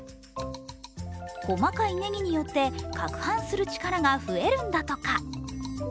細かいねぎによって、かくはんする力が増えるんだとか。